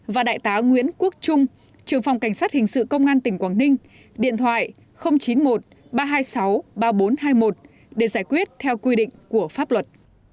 và đại tá nguyễn quốc trung trường phòng cảnh sát hình sự công an tỉnh quảng ninh điện thoại chín mươi một ba trăm hai mươi sáu ba nghìn bốn trăm hai mươi một để giải quyết theo quy định của pháp luật